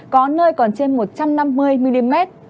có nơi còn trên một trăm năm mươi mm